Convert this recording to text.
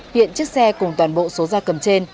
hiện chiếc xe cùng toàn bộ số gia cầm trên